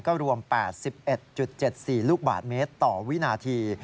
ก็รวม๘๑๗๔ลูกบาทเมตรต่อวินาที